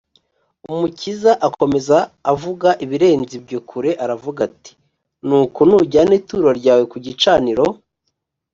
umukiza akomeza avuga ibirenze ibyo kure aravuga ati, “nuko nujyana ituro ryawe ku gicaniro,